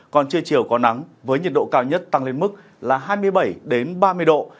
còn trưa chiều có nắng với nhiệt độ cao nhất tăng lên mức là hai mươi bảy ba mươi độ